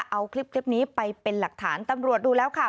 เอาคลิปนี้ไปเป็นหลักฐานตำรวจดูแล้วค่ะ